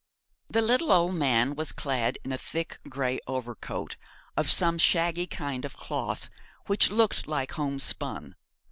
The little old man was clad in a thick grey overcoat of some shaggy kind of cloth which looked like homespun.